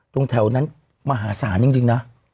ตรงแถวนั้นมหาศาลจริงนะ